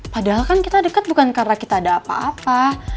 padahal kan kita dekat bukan karena kita ada apa apa